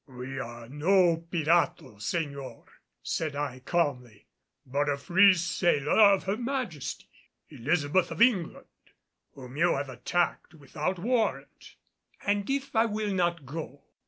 "We are no pirato, señor," said I calmly, "but a free sailer of Her Majesty, Elizabeth of England, whom you have attacked without warrant." "And if I will not go?"